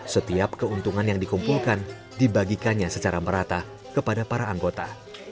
setiap keuntungan yang dikumpulkan dibagikannya secara merata kepada para anggota